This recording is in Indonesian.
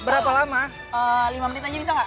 berapa lama lima menit aja bisa nggak